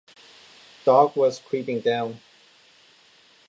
Dark was creeping down.